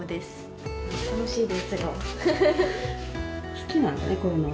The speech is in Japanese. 好きなんだねこういうの。